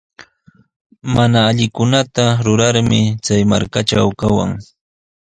Mana allikunata rurarmi chay markatraw kawan.